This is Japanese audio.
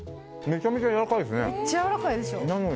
めちゃめちゃやわらかいですね。